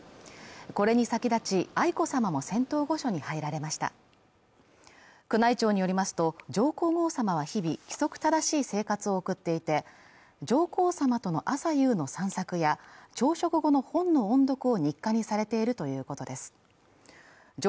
これに先立ち愛子さまも仙洞御所に入られました宮内庁によりますと上皇后さまは日々、規則正しい生活を送っていて上皇さまとの朝夕の散策や朝食後の本の音読を日課にされているということです上